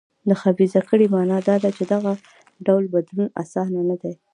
د خبیثه کړۍ معنا دا ده چې دغه ډول بدلون اسانه نه دی.